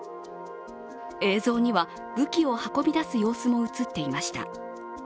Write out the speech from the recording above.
映像には、武器を運び出す様子も映っていました。